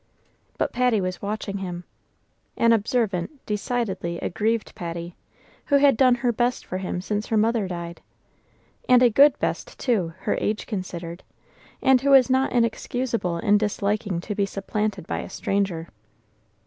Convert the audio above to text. But Patty was watching him, an observant, decidedly aggrieved Patty, who had done her best for him since her mother died, and a good best too, her age considered, and who was not inexcusable in disliking to be supplanted by a stranger.